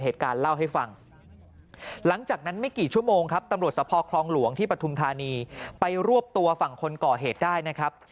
ตำรวจสภครองหลวงที่ประทุมธานีไปรวบตัวฝั่งคนก่อเหตุได้นะครับ